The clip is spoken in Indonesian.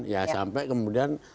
ya sampai kemudian